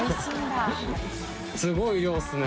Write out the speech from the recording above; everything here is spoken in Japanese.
すごい量ですね。